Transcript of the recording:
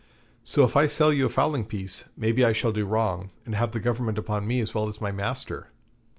So if I sell you a fowling piece, maybe I shall do wrong, and have the Government upon me as well as my master.'